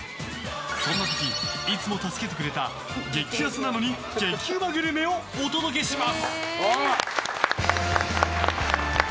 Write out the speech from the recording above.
そんな時いつも助けてくれた激安なのに激うまグルメをお届けします。